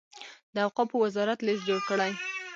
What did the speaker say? د اوقافو وزارت لست جوړ کړي.